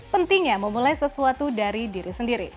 pentingnya memulai sesuatu dari diri sendiri